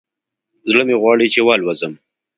زړه مې غواړي چې والوزم